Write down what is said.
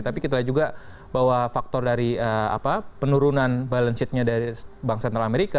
tapi kita lihat juga bahwa faktor dari penurunan balance nya dari bank sentral amerika